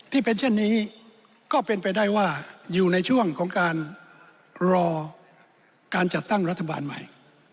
ที่เป็นเช่นนี้ก็เป็นไปได้ว่าอยู่ในช่วงของการรอการจัดตั้งรัฐบาลใหม่